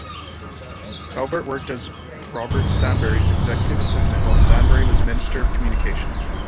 Faubert worked as Robert Stanbury's executive assistant while Stanbury was Minister of Communications.